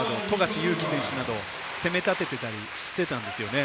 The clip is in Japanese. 富樫勇樹選手などを攻めたててたりしたんですよね。